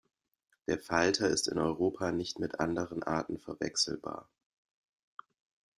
Der Falter ist in Europa nicht mit anderen Arten verwechselbar.